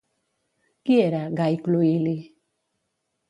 Qui era Gai Cluïli?